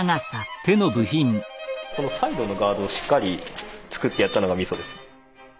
このサイドのガイドをしっかり作ってやったのがみそです。